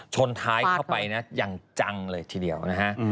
ชนท้ายเข้าไปนะอย่างจังเลยทีเดียวนะฮะ